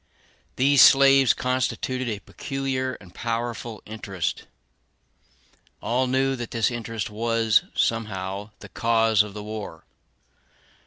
These slaves constituted a peculiar and powerful interest. All knew that this interest was, somehow, the cause of the war.